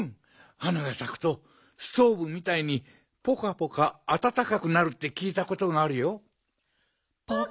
花がさくとストーブみたいにぽかぽかあたたかくなるってきいたことがあるよ。